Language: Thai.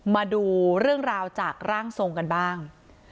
มาดูเรื่องราวจากร่างทรงกันบ้าง